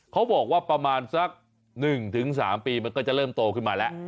เขาบอกว่าประมาณสัก๑๓ปีมันก็จะเริ่มโตขึ้นมาแล้ว